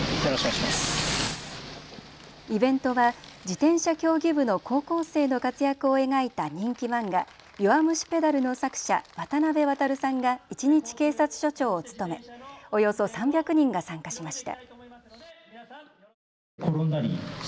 イベントは自転車競技部の高校生の活躍を描いた人気漫画、弱虫ペダルの作者、渡辺航さんが一日警察署長を務めおよそ３００人が参加しました。